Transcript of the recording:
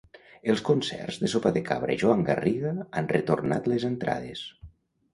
Els concerts de Sopa de Cabra i Joan Garriga han retornat les entrades.